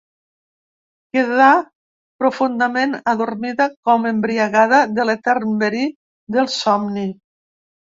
Quedà profundament adormida com embriagada de l’etern verí del somni.